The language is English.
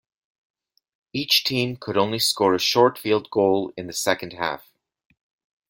Each team could only score a short field goal in the second half.